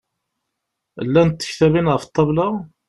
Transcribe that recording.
Llant tektabin ɣef ṭṭabla?